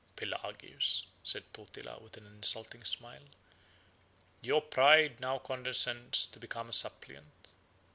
"Pelagius," said Totila, with an insulting smile, "your pride now condescends to become a suppliant."